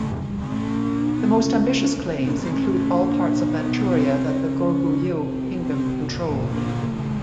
The most ambitious claims include all parts of Manchuria that the Goguryeo kingdom controlled.